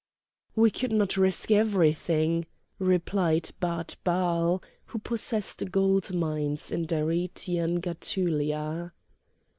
"We could not risk everything," replied Baat Baal, who possessed gold mines in Darytian Gætulia.